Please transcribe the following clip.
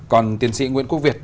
còn tiến sĩ nguyễn quốc việt